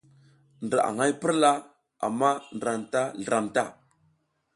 Ndra aƞ hay purla amma ndra anta zliram ta.